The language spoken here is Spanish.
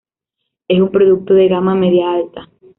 Es un producto de gama media-alta.